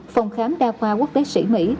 phòng khám đa khoa quốc đế sĩ mỹ